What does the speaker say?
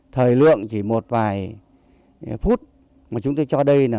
thời lượng chỉ một vài phút mà chúng tôi cho đây là